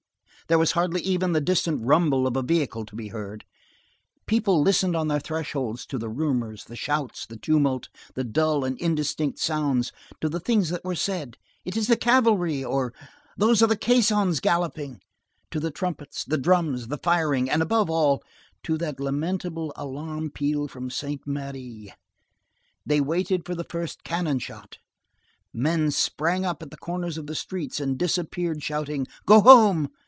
There was hardly even the distant rumble of a vehicle to be heard. People listened on their thresholds, to the rumors, the shouts, the tumult, the dull and indistinct sounds, to the things that were said: "It is cavalry," or: "Those are the caissons galloping," to the trumpets, the drums, the firing, and, above all, to that lamentable alarm peal from Saint Merry. They waited for the first cannon shot. Men sprang up at the corners of the streets and disappeared, shouting: "Go home!"